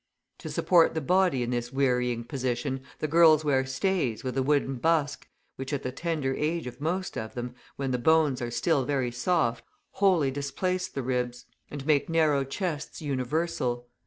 To support the body in this wearying position, the girls wear stays with a wooden busk, which, at the tender age of most of them, when the bones are still very soft, wholly displace the ribs, and make narrow chests universal.